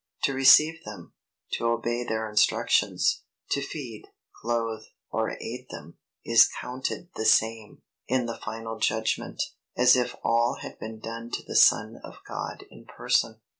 To receive them, to obey their instructions, to feed, clothe, or aid them, is counted the same, in the final judgment, as if all had been done to the Son of God in person.